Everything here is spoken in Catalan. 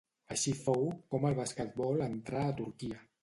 Així fou com el basquetbol entrà a Turquia.